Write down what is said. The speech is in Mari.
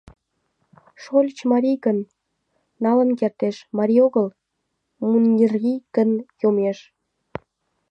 Шольыч марий гын, налын кертеш, марий огыл, муньырий гын, йомеш.